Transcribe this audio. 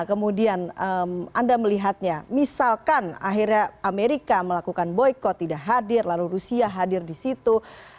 kemudian anda melihatnya misalkan akhirnya amerika melakukan boykot tidak hadir lalu rusia hadir di situ